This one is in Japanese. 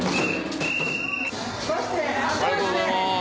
ありがとうございます。